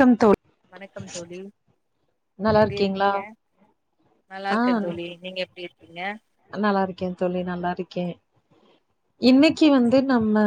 க்கம் தோழி வணக்கம் தோழி நல்லா எப்டி இருக்கீங்களா இருக்கீங்க நல்லா ஆ இருக்கே தோழி நீங்க எப்படி இருக் க நல்லா ருக்கேன் தோழி நல்லா ருக்கேன் இன்னைக்கு வந்து நம்ம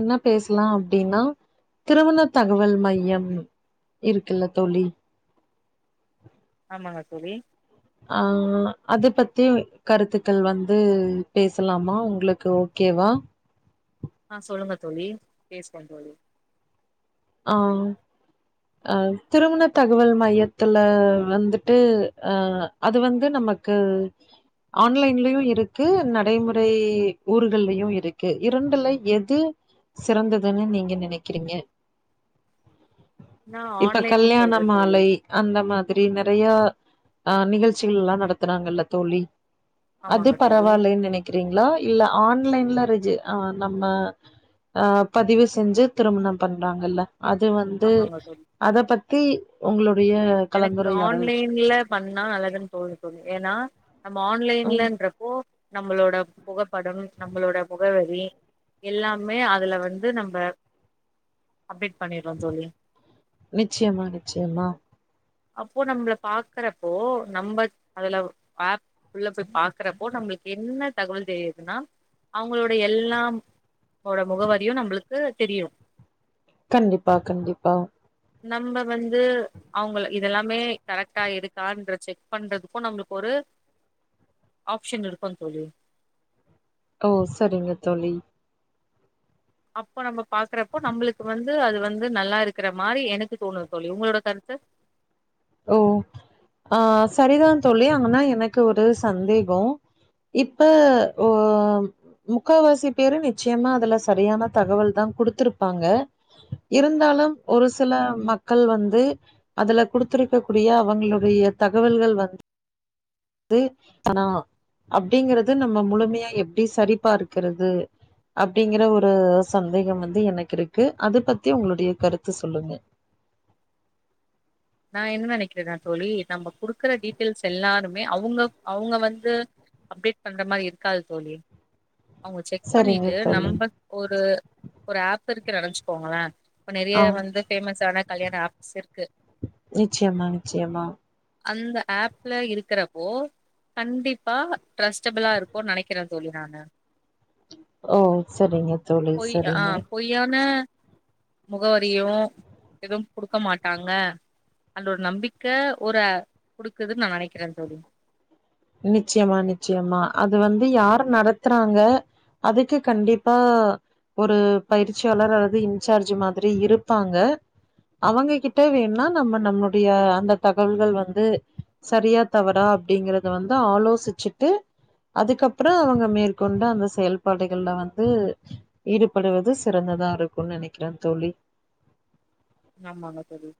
என்ன பேசலாம் அப்டின்னா திருமண தகவல் மையம் இருக்குல்ல தோழி ஆமாங்க தோழி அஹ் அது பத்தியு கருத்துக்கள் வந்து பேசலாமா உங்களுக்கு ஓக்கேவா ஆஹ் சொல்லுங்க தோழி பேசுவோம் தோழி ஆஹ்ம் அஹ் திருமண தகவல் மையத்துல வந்துட்டு அஹ் அது வந்து நமக்கு ஆன்லைன்லயும் இருக்கு நடைமுறை ஊர்கள்லயும் இருக்கு இரண்டுல எது சிறந்ததுன்னு நீங்க நினைக்கிறீங்க நா இப்ப ஆன்லைன் கல்யாண சொல்றே தோழி மாலை அந்த மாத் சரி நெறையா ஆஹ் நிகழ்ச்சிகள் ல்லாம் நடத்துறாங்கல்ல தோழி அது ஆமாங்க தோழி பரவால்லேன்னு நினைக்கிறீங்களா இல்ல ஆண் ஆன்லைன் ல ரிஜி ஆஹ் நம்ம அஹ் பதிவு செஞ்சு திருமணம் பண்றாங்கல்லா அது வந்து ஆமாங்க தோழி அத பத்தி உங்களுடைய எனக்கு கலந்துரையாடல் ஆன்லைன்ல பண்ணா நல்லதுன்னு தோணுது ஏன்னா நம்ம ம் ஆன்லைன்லன்றப்போ நம்மளோட புகப்படம் நம்மளோட முகவெரி எல்லாமே அதுல வந்து நம்ம அப்டேட் பண்னிட்றோம் தோழி நிச்யமா நிச்யமா அப்போ நம்மள பாக்கறப்போ நம்ம அதுல ஆப் உள்ள போய் பாக்குறப்போ நம்மளுக்கு என்ன தகவல் தெரியுதுன்னா அவங்களோட எல்லாம் ஓட முகவரியும் நம்மளுக்கு தெரியும் கண்டிப்பா கண்டிப்பா நம்ப வந்து அவுங்கள இதெல்லாமே கரெக்டா இருக்கான்ற செக் பண்றதுக்கும் நம்மளுக்கு ஒரு ஆப்ஷன் இருக்கும் தோழி ஓ சரிங்கத் தோழி அப்போ நம்ம பாக்குறப்போ நம்மளுக்கு வந்து அது வந்து நல்லா இருக்கிற மாரி எனக்கு தோணுது தோழி உங்களோட கருத்து ஓ ஆஹ் சரிதான் தோழி ஆங்கனா எனக்கு ஒரு சந்தேகம் இப்ப ஓ முக்காவாசி பேரு நிச்சயமா அதுல சரியான தகவல் தான் குடுத்துருப்பாங்க இருந்தாலும் ஒரு சில மக்கள் வந்து அதுல குடுத் திருக்கக்கூடிய அவங்களுடைய தகவல்கள் வந்து து ஆனா அப்டிங்றது நம்ம முழுமையா எப்படி சரிபார்க்கிறது அப்டிங்கற ஒரு சந்தேகம் வந்து எனக்கு இருக்கு அதை பத்தி உங்களுடைய கருத்து சொல்லுங்க நா என்ன நெனைக்கிறேனா தோழி நம்ம குடுக்குற டீட்டெயில்ஸ் எல்லாருமே அவங்க அவங்க வந்து அப்டேட் பண்ற மாதிரி இருக்காது தோழி அவங்க செக் சரிங்க பண்ணிட்டு தோழி நம்மக் ஒரு ஒரு அப் இருக்கு நெனச்சிக்கோங்களேன் இப்ப நெறைய ஆ வந்து பேமஸ் ஆன கல்யாண ஆப்ஸ் இருக்கு நிச்யமா நிச்சயமா அந்த அப்ல இருக்கிறப்போ கண்டிப்பா ட்ரஸ்டபுளா இருக்குன்னு நெனைக்குறேன் தோழி நானு ஓ சரிங்க தழி சரிங்க முகவரியும் எதுவும் குடுக்க மாட்டாங்க அல்ல ஒரு நம்பிக்கை ஒரு கொடுக்குதுன்னு நான் நினைக்கிறேன்ு சொல்லி நிச்சயமா நிச்சயமா அது வந்து யார் நடத்துறாங்க அதுக்கு கண்டிப்பா ஒரு பயிற்சியாளர் அல்லது இன்சார்ஜ் மாதிரி இருப்பாங்க அவங்க கிட்ட வேணுனா நம்ம நம்மளுடைய அந்த தகவல்கள் வந்து சரியா தவறா அப்படிங்கறது அத வந்து ஆலோசிச்சுட்டு அதுக்கப்புறம் அவங்க மேற்கொண்டு அந்த செயல்பாடுகள்ல வந்து ஈடுபடுவது சிறந்ததா இருக்கும் நினைக்கிறேன் தோழி ஆமாமா சரி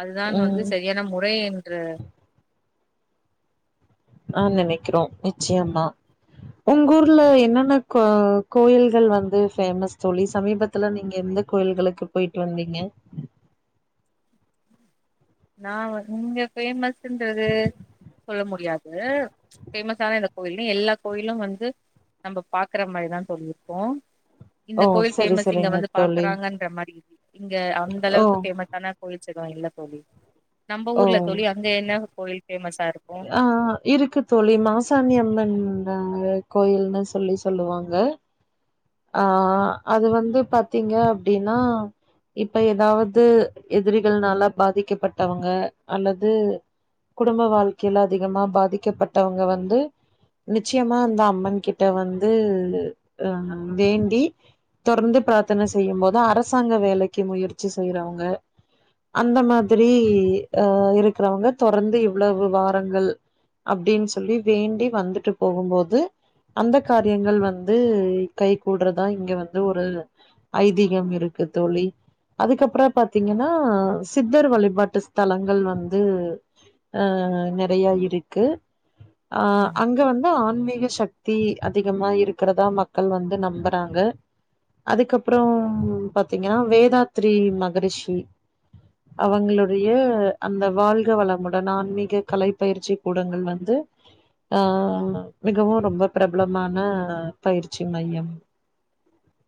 அதுதான் வந்து ம். சரியான முறை என்று ஆஹ் நினைக்கிறோம் நிச்சயமா உங்க ஊர்ல என்னென்ன கோ கோயில்கள் வந்து பேஃமஸ் தோழி சமீபத்துல நீங்க எந்த கோயில்களுக்கு போயிட்டு வந்தீங்க நான் இங்க பேஃபமஸ்ன்றது சொல்ல முடியாது பேஃமஸான இந்த கோயில எல்லா கோயிலும் வந்து நம்ம பாக்குற மாதிரிதான் சொல்லியிருக்கோம் இந்த ஓ கோயில் சரி பேமஸ் இங்க சரிங்க வந்து தோழி பாக்குறாங்கன்ற மாதிரி இ இங்க அந்த ஓ அளவுக்கு பேமஸ் ஆன போயிச்சுக்தான் இல்லை தோழி நம்ம ஊர்ல தோழி அங்க என்ன கோயில் பேமஸ் ஆஹ் இருக்கு தோழி மாசாணியம்மன் நாங்க கோயில்னு சொல்லி சொல்லுவாங்க ஆஹ் அது வந்து பாத்தீங்க அப்படின்னா இப்ப ஏதாவது எதிரிகள்னால பாதிக்கப்பட்டவங்க அல்லது குடும்ப வாழ்க்கையில அதிகமா பாதிக்கப்பட்டவங்க வந்து நிச்சயமா அந்த அம்மன் கிட்ட வந்து அஹ் வேண்டி தொடர்ந்து பிரார்த்தனை செய்யும் போோது அரசாங்க வேலைக்கு முயற்சி செய்யறவங்க அந்த மாதிரி அஹ் இருக்கிறவங்க தொடர்ந்து இவ்வளவு வாரங்கள் அப்படின்னு சொல்லி வேண்டி வந்துட்டு போகும்போது அந்த காரியங்கள் வந்து கை கூூடுறதா இங்க வந்து ஒரு ஐதீகம் இருக்கு தோழி அதுக்கப்புறம் பாரத்தீங்கன்னா சித்தர் வழிபாட்டு ஸ்தலங்கள் வந்து அஹ் நிறைய இருக்கு ஆஹ் ம் அங்க வந்து ஆன்மீக சக்தி அதிகமா இருக்கிறதா மக்கள் மள் வந்து நம்புறாங்க அதுக்கப்புறம் பாத்தீங்கன்னா வேதாத்திரரி மகரிஷி அவங்களுடைய அந்த வாழ்க வளமுடன் ஆன்மீக கலை பயிற்சி கூடங்கள் வந்து ஆஹ் மிகவும் ரொம்ப பிரபலமான பயிற்சி ச்சி மையம்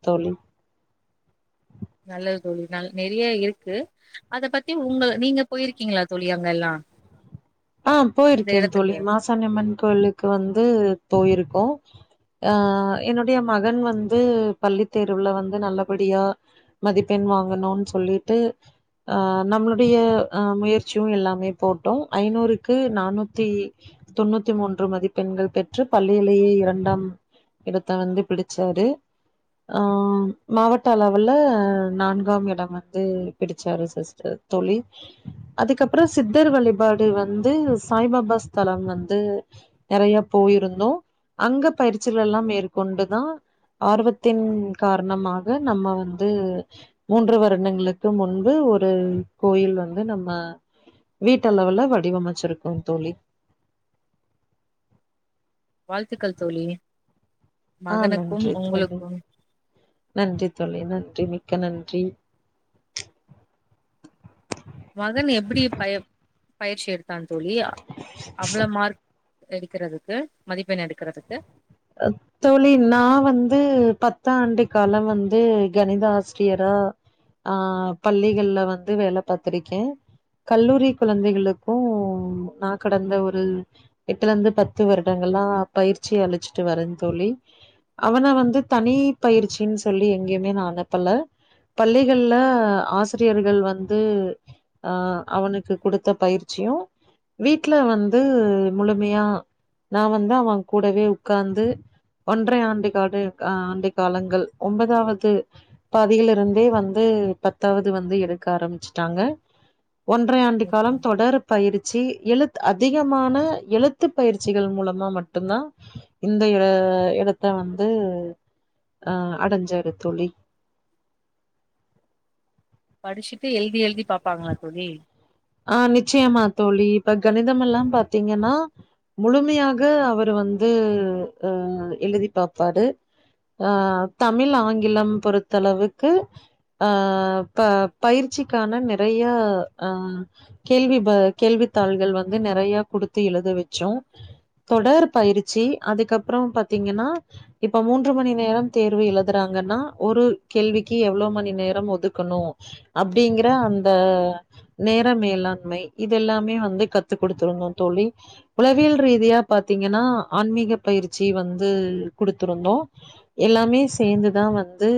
தோழி நல்லது தோழி ந நிறைய இருக்கு அத பத்தி உங்க நீங்க போயிருக்கீங்களா தழி அங்க எல்லாம் ஆஹ் போயிருக்கேன் தழி மாசாண்டம்மன் கோயிலுக்கு வந்து போயிருக்கு அஹ் என்னுடைய மகன் வந்து பள்ளி தேர்வுல வந்து நல்லபடியா மதிப்பெண் வாங்கணும் சொல்லிட்டு அஹ் நம்மளுடைய அஹ் முயற்சியும் எல்லாமே போட்டோம் ஐநூறுக்கு நானூத்தி தொண்ணூத்தி மூன்று மதிப்ப பெண்கள் பெற்று பள்ளியிலேயே இரண்டாம் இடத்த வந்து பிடிச்சாரு ஆஹ் மாவட்ட அளவில்ல நான்காம் இடம் வந்து பிடிச்சாரு சிஸர் தோழி அதுக்கப்புறம் சித்தர் வழி ாடு வந்து சாய்பாபா ஸ்தலம் வந்து நிறைய போயிருந்தோம் அங்க பயிற்சிகள் எல்லாம் மேற்கொண்டுதான் ஆர்வத்தின் காரணமாக நம்ம வந்து மூன்று வருடங்களுக்கு முன்பு ஒரு கோயில் வந்து நம்ம வீட்டு அளவுல வடிவமைச்சிருக்கும் தோழி வாழ்த்துக்கள் தோழி ஆ மகனுக்கும் நன்றி தோழி உங்களுக்கும் நன்றி தோழி நன்றி மிக்க நன்றி மகன் எப்படி பயம் பயிற்சி எடுத்து தான் சொல்லி அவ்வளோ மார்க் எடுக்கறதுக்கு மதிப்பெண் எடுக்கறதுக்கு தோழி நான் வந்து பத்தாண்டு காலம் வந்து கணித ஆசிரியரா ஆஹ் பள்ளிகள்ல வந்து வேலை பார்த்திருக்கேன் கல்லூரி குழந்தைகளுக்கும் நான் கடந்த ஒரு எட்டுல இருந்து பத்து வருடங்கள்லாம் பயிற்சி அழிச்சுன் வ தழி அவனை வந்து தனி பயிற்சின்னு சொல்லி எங்கேயுமே நான் அனுப்பல பள்ளிகள்ல ஆசிரியர்கள் வந்து ஆஹ் அவனுக்கு கொடுத்த பயிற்சியும் வீட்டுல வந்து முழுமையா நான் வந்து அவன் கூடவே உட்கார்ந்து ஒன்றரை ஆண்டு காடு ஆஹ் ஆண்ட காலங்கள் ஒன்பதாவது பாதியில இருந்தே வந்து பத்தாவது வந்து எடுக்க ஆரம்பிச்சுட்டாங்க ஒன்றைய ஆண்டு காலம் தொடர பயிற்சி எழுத்து அதிகமான எழுத்து பயிற்சிகள் மூலமா மட்டும்தான் இந்த இடத்த வந்து அஹ் அடஞ்சாரு தோழி படிச்சிட்டு எழுதி எழுதி பாப்பாங்களா தோழி ஆஹ் நிச்சயமா தோழி இப்ப கணிதம் எல்லாம் பாரத்தீங்கன்னா முழுமையாக அவரு வந்து அஹ் எழுதி பார்ப்பாரு ஆஹ் தமிழ் ஆங்கிலம் பொறுத்தளவுக்கு ஆஹ் ப பயிற்சிக்கான நிறைய அஹ் கேள்வி ப கேள்வித்தாள்கள் வந்து நிறைய கொடுத்து எழுத வச்சோம் தொடர் பயிற்சி அதுக்கப்புறம் பார்த்தீங்கன்னா இப்ப மூன்று மணி நேரம் தேர்வு எழுதுறாங்கன்னா ஒரு கேள்விக்கு எவ்வளவு மணி நேரம் ஒதுக்கணும் அப்படிங்கிற அந்த நே மேலாண்மை இதுெல்லாமே வந்து கத்து கொடுத்திருந்தோம் தோழி உளவியல் ரீதியா பார்த்தீங்கன்னா ஆன்மீக பயிற்சி வந்து கொடுத்திருந்தோம் எல்லாமே சேர்ந்துதான் வந்து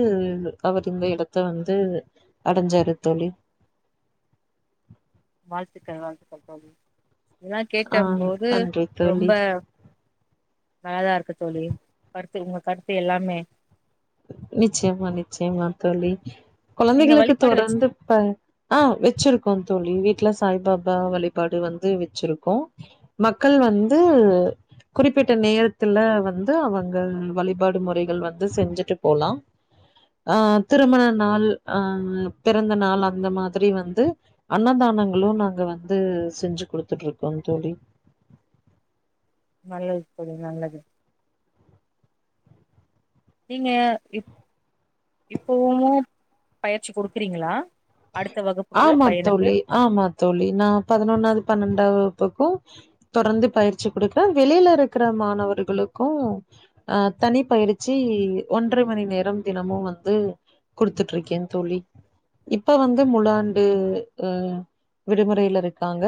அவர் இந்த இடத்த வந்து அடைஞ்சாரு தோழி வாழ்த்துக்கள் வாழ்த்துக்கள் தோழி இதெல்லாம் ஆ கேக்கும் போது நன்றி தோழி ரொம்ப நல்லா இருக்கு தோழி கருத்து உங்க கருத்து எல்லாமே நிச்சயமா நிச்சயமா தோழி நீங்க குழந்தைகளுக்கு வழிபாடு வச்சு தொடர்ந்து ஆஹ் வச்சிருக்கோம் தோழி ல சாய்பாபா வழிபாடு வந்து வச்சிருக்கோம் மக்கள் வந்து குறிப்பிட்ட நேரத்துல வந்து அவங்க வழிபாடு முறைகள் வந்து செஞ்சு விட்டு போலாம் அஹ் திருமண நாள் ஆஹ் பிறந்த நாள் அந்த மாதிரி வந்து அன்னதானங்களும் நாங்க வந்து செஞ்சு கொடுத்துட்டு இருக்கோம் தோழி நல்லது தோழி நல்லது நீங்க இப்பமும் பயிற்சி கொடுக்குறீங்களா ஆமா தோழி ஆமா தோழி நான் பதினொன்னாவது பன்னெண்டாவது இக்கும் தொடர்ந்து பயிற்சி கொடுக்குறேன் வெளியில இருக்கிற மாணவர்களுக்கும் அஹ் தனி பயிற்சி ஒன்றரை மணி நேரம் தினமும் வந்து குடுத்துட்டு இருக்கேன் தோழி இப்ப வந்து முழாண்டு அஹ் விடுமுறையில இருக்காங்க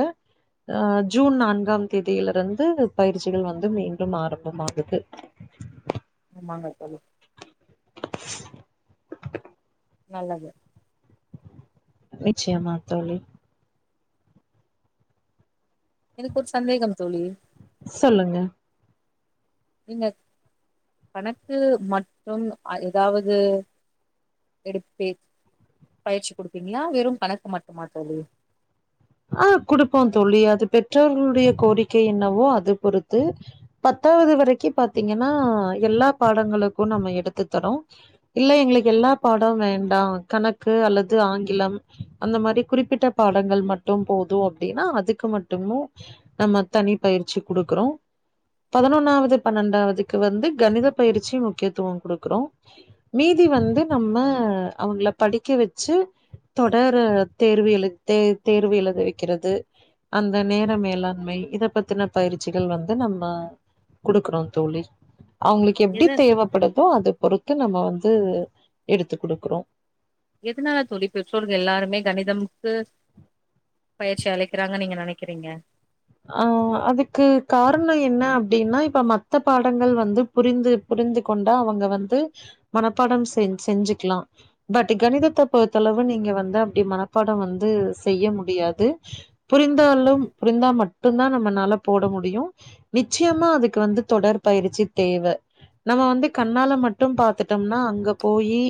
அஹ் ஜூன் நான்காம் தேதியில இருந்து பயிற்சிகள் வந்து மீண்டும் ஆரம்பமாகுது ஆமாங்க தோழி நல்லது நிச்சயமா தோழி எனக்கு ஒரு சந்தேகம் தோழி சொல்லுங்க நீங்க கணக்கு மட்டும் ஏதாவது எடுப்பீ பயிற்சி கொடுப்பீங்களா வெறும் கணக்கு மட்டும்மா தோழி ஆஹ் குடுப்போம் தோழி அது பெற்றோர்களுடைய கோரிக்கை என்னவோ அது பொறுத்து பத்தாவது வரைக்கும் பாத்தீங்கன்னா எல்லா பாடங்களுக்கும் நம்ம எடுத்து தரோம் இல்ல எங்களுக்கு எல்லா பாடம் வேண்டாம் கணக்கு அல்லது ஆங்கிலம் அந்த மாதிரி குறிப்பிட்ட பாடங்கள் மட்டும் போதும் அப்படின்னா அதுக்கு மட்டுமும் நம்ம தனி பயிற்சி கொடுக்கறோம் பதினொன்னாவது பன்னெண்டாவதுக்கு வந்து கணித பயிற்சி முக்கியத்துவம் கொடுக்கறோம் மீதி வந்து நம்ம அவங்க படிக்க வச்சு தொடர தேர்வு எழு தே தேர்வு எழுத வைக்கிறது அந்த நேர மேலாண்மை இதை பத்தின பயிற்சிகள் வந்து நம்ம கொடுக்குறோம் தோழி அவங்களுக்கு எப்படி எது தேவைப்படுதோ அத பொறுத் நம்ம வந்து எடுத்து கொடுக்குறோம் எதனால தோழி எல்லாருமே கணிதம்கு பயிற்சி அளிக்கிறாங்கன்னு நீங்க நினைக்கிறீங்க அஹ் அதுக்கு காரணம் என்ன அப்படின்னா இப்ப மத்த பாடங்கள் வந்து புரிந்து புரிந்து கொண்டா அவங்க வந்து மனப்பாடம் செஞ செஞ்சுக்கலாம் பட் கணிதத்தை பொறுத்தளவு நீங்க வந்து அப்படி மனப்பாடம் வந்து செய்ய முடியாது புரிந்தாலும் புரிந்தா மட்டும் மட்டும் தான் நம்மனாலே போட முடியும் நிச்சயமா அதுக்கு வந்து தொடர்பயிற்சி தேவை நம்ம வந்து கண்ணால மட்டும் பாத்துட்டோம்னா அங்க போயி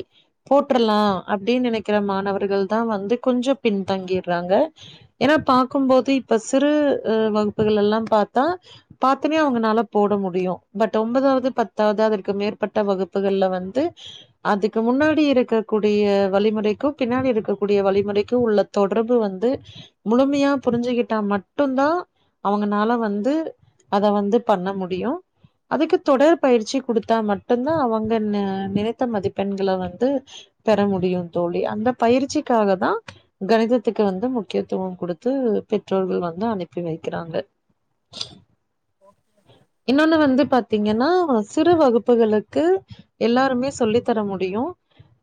போட்டரலாம் அப்படின்னு நினைக்கிற மாணவர்கள் தான் வந்து கொஞ்சம் பின்தங்கிடுறாங்க ஏன்னா பார்க்கும்போது இப்ப சிறு வகுப்புகள் எல்லாம் பார்த்தா பார்த்தனே அவங்கனால போட முடியும் பட் ஒன்பதாவது பத்தாவது அதற்கு மேற்பட்ட வகுப்புகள்ல வந்து அதுக்கு முன்னாடி இருக்கக் கூடிய வழிமுறைக்கும் பின்னாடி இருக்கக்கூடிய வழிமுறைக்கும் உள்ள தொடர்பு வந்து முழுமையா புரிஞ்சுிக்கிட்டா மட்டும்்தான் அவங்கனால வந்து அத வந்து பண்ண முடியும் அதுக்கு தொடர் பயிற்சி கொடுத்தா மட்டும்தான் அவங்க நினைத்த மதிப்பெண்களை வந்து பெற முடியும் தோழி அந்த பயிற்சிக்காக தான் கணிதத்துக்கு வந்து முக்கியத்துவம் கொடுத்து பெற்றோர்கள் வந்து அனுப்பி அனுப்பி வைக்கிறாங்க இன்னொன்னு வந்து பாத்தீங்கன்னா சிறு வகுப்புகளுக்கு எல்லாருமே சொல்லி தர முடியும்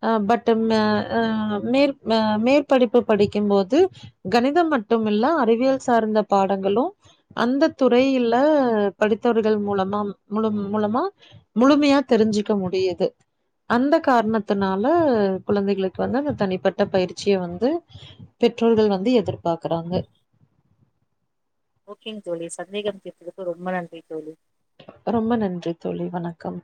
அஹ் பட்ஹ் மே மேற்படிப்பு படிக்கும் போது கணிதம் மட்டுமல்ல அறிவியல் சார்ந்த பாடங்களும் அந்த துறையில படித்தவர்கள் மூலமா முழு மூலமா முழுமையா தெரிஞ்சுிக்க முடியுது அந்த காரணத்தினால குழந்தைகளுக்கு வந்து அந்த தனிப்பட்ட பயிற்சியை வந்து பெற்றோர்கள் வந்து எதிர்பார்க்குறாங்க ஓகேங்க தோழி சந்தேகம் கேட்டதுக்கு ரொம்ப நன்றி தோழி ரொம்ப நன்றி தோழி வணக்கம்